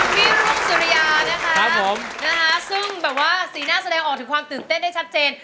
พี่รุ่งสุริยานะคะซึ่งแบบว่าสีหน้าแสดงออกถึงความตื่นเต้นได้ชัดเจน